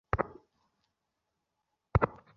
এখন আপনি যেতে পারেন।